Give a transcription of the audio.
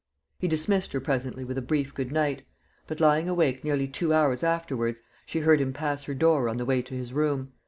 He dismissed her presently with a brief good night; but lying awake nearly two hours afterwards, she heard him pass her door on the way to his room.